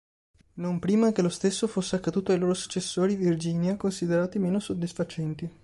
Non prima che lo stesso fosse accaduto ai loro successori Virginia, considerati meno soddisfacenti.